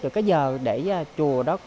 được cái giờ để chùa đó